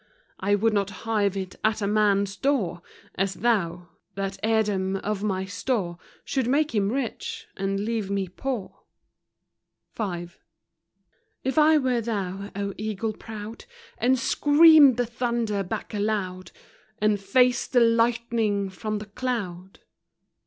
I would not hive it at man's door, As thou, — that heirdom of my store Should make him rich, and leave me poor. If I were thou, O eagle proud, And screamed the thunder back aloud, And faced the lightning from the cloud; VI.